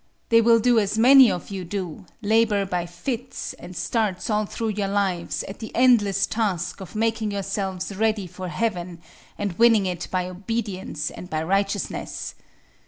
They will do as many of you do, labor by fits and starts all thru your lives at the endless task of making yourselves ready for heaven, and winning it by obedience and by righteousness.